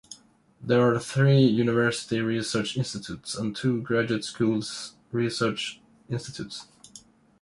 There are three university research institutes and two graduate school research institutes.